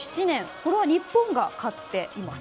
これは日本が勝っています。